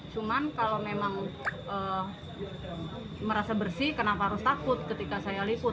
cuman kalau memang merasa bersih kenapa harus takut ketika saya liput